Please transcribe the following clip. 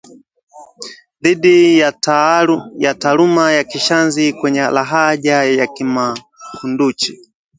dhidi ya taaluma ya kishazi kwenye lahaja ya Kimakunduchi